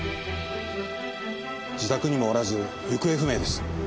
自宅にもおらず行方不明です。